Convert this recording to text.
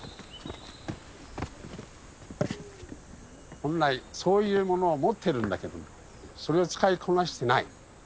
本来そういうものを持ってるんだけどもそれを使いこなしてない。